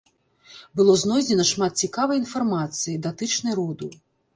Было знойдзена шмат цікавай інфармацыі, датычнай роду.